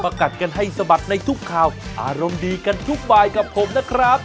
กัดกันให้สะบัดในทุกข่าวอารมณ์ดีกันทุกบายกับผมนะครับ